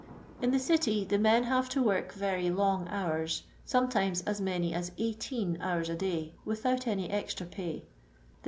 In the city the men have to work Tery long hours, sometimes as many as 18 hours a day with out any extra pay.